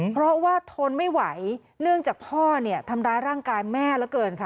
เพราะว่าทนไม่ไหวเนื่องจากพ่อเนี่ยทำร้ายร่างกายแม่เหลือเกินค่ะ